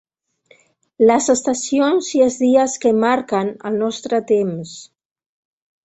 Les estacions i els dies que marquen el nostre temps.